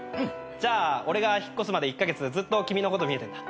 じゃあ俺が引っ越すまで１カ月ずっと君のこと見えてんだ。